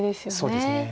そうですね。